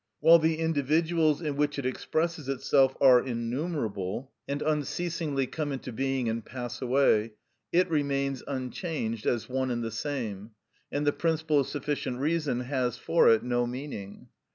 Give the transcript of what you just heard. While the individuals in which it expresses itself are innumerable, and unceasingly come into being and pass away, it remains unchanged as one and the same, and the principle of sufficient reason has for it no meaning.